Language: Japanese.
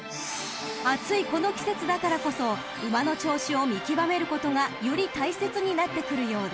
［暑いこの季節だからこそ馬の調子を見極めることがより大切になってくるようです］